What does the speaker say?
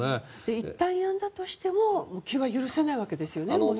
いったんやんだとしても気は許せないわけですよね。